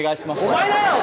「お前だよ！」